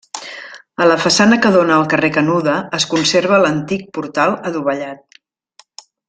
A la façana que dóna al carrer Canuda es conserva l'antic portal adovellat.